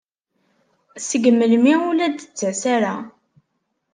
Seg melmi ur la d-tettas ara?